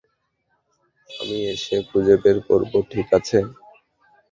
আমি এসে খুঁজে বের করব, ঠিক আছে?